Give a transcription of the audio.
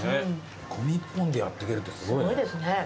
煮込み一本でやっていけるってすごいね。